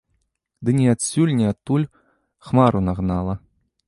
Ды ні адсюль, ні адтуль хмару нагнала.